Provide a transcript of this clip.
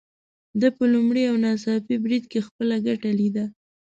ده په لومړي او ناڅاپي بريد کې خپله ګټه ليده.